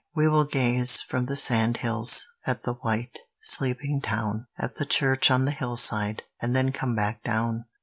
We will gaze, from the sand hills, At the white, sleeping town; At the church on the hillside And then come back down.